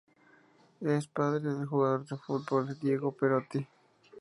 Es padre del jugador de fútbol Diego Perotti